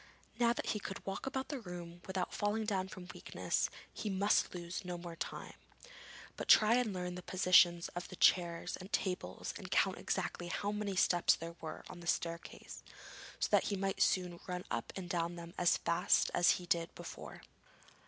Now that he could walk about the room without falling down from weakness he must lose no more time, but try and learn the positions of the chairs and tables and count exactly how many steps there were on the staircase, so that he might soon run up and down them as fast as he did before.